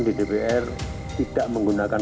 di dpr tidak menggunakan